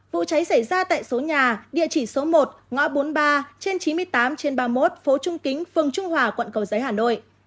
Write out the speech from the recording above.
vụ cháy xảy ra tại số nhà địa chỉ số một ngõ bốn mươi ba trên chín mươi tám trên ba mươi một phố trung kính phường trung hòa quận cầu giấy hà nội